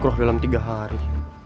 kurang dalam tiga hari